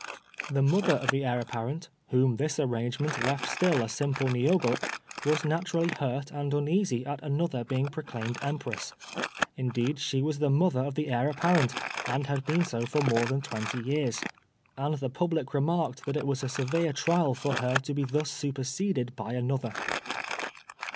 The mother of the Heir apparent, whom this arrangement left still a simple Niogo, was naturally hurt and uneasy at another being proclaimed Empress. Indeed she was the mother of the Heir apparent, and had been so for more than twenty years. And the public remarked that it was a severe trial for her to be thus superseded by another.